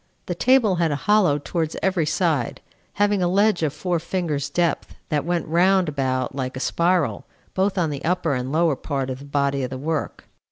The table had a hollow towards every side, having a ledge of four fingers' depth, that went round about like a spiral, both on the upper and lower part of the body of the work.